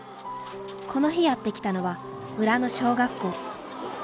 この日やって来たのは村の小学校。